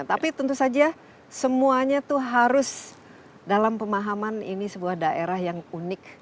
tapi tentu saja semuanya itu harus dalam pemahaman ini sebuah daerah yang unik